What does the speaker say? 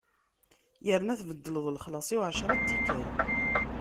Yerna tbeddleḍ lexlaṣ-iw ɛecṛa n tikkal.